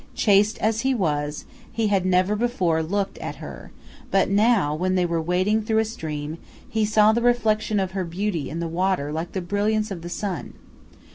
Chaste as he was, he had never before looked at her, but now, when they were wading through a stream, he saw the reflection of her beauty in the water like the brilliance of the sun.